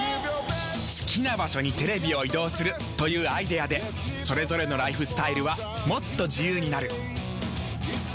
好きな場所にテレビを移動するというアイデアでそれぞれのライフスタイルはもっと自由になる。